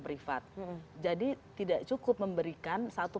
privat jadi tidak cukup memberikan satu